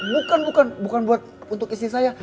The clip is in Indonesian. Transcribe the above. bukan bukan bukan buat istri saya